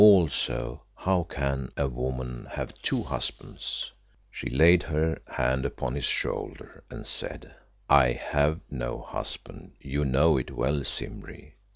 Also, how can a woman have two husbands?" She laid her hand upon his shoulder and said "I have no husband. You know it well, Simbri.